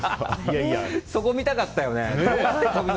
そこ見たかったよね。